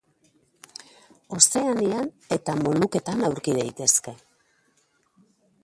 Ozeanian eta Moluketan aurki daitezke.